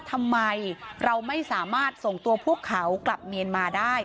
ทำไมเราไม่สามารถส่งตัวพวกเขากลับเมียนมาได้